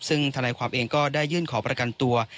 ซึ่งธนายความเองก็ได้ยื่นขอประกันตัว